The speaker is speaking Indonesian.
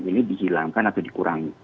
ini dihilangkan atau dikurangi